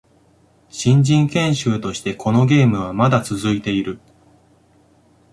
新人研修としてこのゲームはまだ続いている